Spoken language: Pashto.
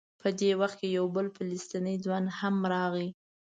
په دې وخت کې یو بل فلسطینی ځوان هم راغی.